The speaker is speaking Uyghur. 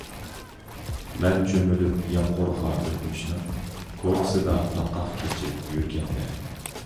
مەن چۆمۈلۈپ يامغۇرىغا ئۆتمۈشنىڭ، كوچىسىدا پاتقاق كېچىپ يۈرگەندە.